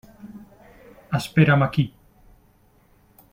Espera'm aquí.